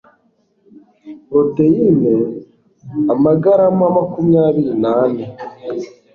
Proteines amagarama makumyabiri nane